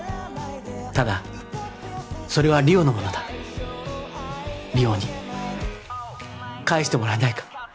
ただそれは莉桜のものだ莉桜に返してもらえないか？